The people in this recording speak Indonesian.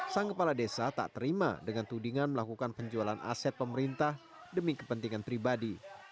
sang kepala desa tak terima dengan tudingan melakukan penjualan aset pemerintah demi kepentingan pribadi